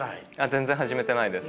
全然始めてないです。